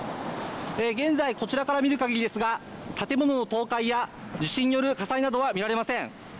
現在こちらから見るかぎりですが建物の倒壊や地震による火災などは見られません。